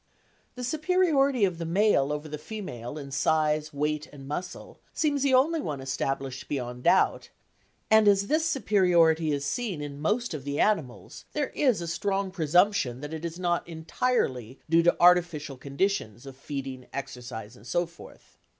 The superiority of the male over the female in size, weight and muscle seems the only one established beyond doubt, and as this superiority is seen in most of the animals, there is a strong presumption that it is not entirely due to artificial conditions of feeding, exercise and so forth.